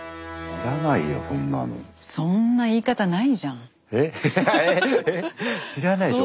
知らないでしょ。